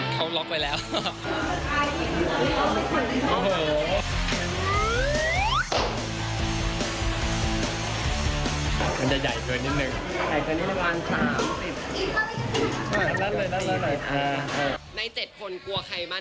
แล้วก็เลิกสำแปด